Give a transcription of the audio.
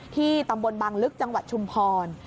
ที่ตำบลบางลึกจังหวัดชุมพร